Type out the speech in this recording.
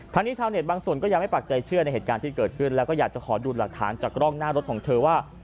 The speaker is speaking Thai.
นี้ชาวเน็ตบางส่วนก็ยังไม่ปักใจเชื่อในเหตุการณ์ที่เกิดขึ้นแล้วก็อยากจะขอดูหลักฐานจากกล้องหน้ารถของเธอว่า